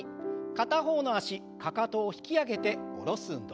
片方の脚かかとを引き上げて下ろす運動。